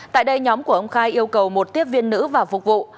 tại đây nhóm của ông khai yêu cầu một tiếp viên nữ và phục vụ